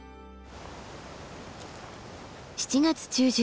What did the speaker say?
７月中旬